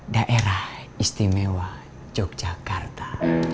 daerah istimewa yogyakarta